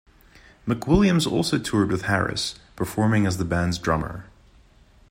McWilliams also toured with Harris, performing as the band's drummer.